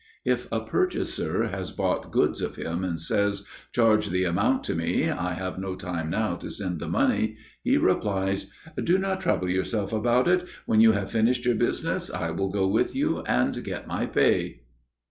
If a purchaser has bought goods of him and says: "Charge the amount to me; I have no time now to send the money," he replies: "Do not trouble yourself about it; when you have finished your business, I will go with you and get my pay."